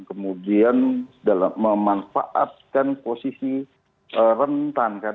kemudian memanfaatkan posisi rentan